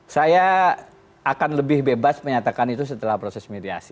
saya akan lebih bebas menyatakan itu setelah proses mediasi